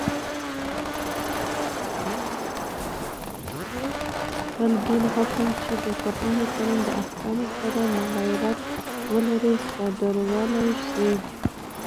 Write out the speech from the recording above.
خپل بېل حکم، چي د قرآن کریم د احکامو سره مغایرت ولري، صادرولای سي.